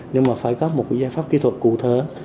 nhưng mà phải có một giải pháp kỹ thuật cụ thể